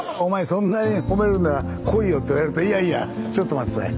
そんなに褒めるんなら来いよ」って言われると「いやいやちょっと待って下さい。